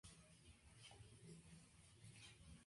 Se trata de un público intergeneracional.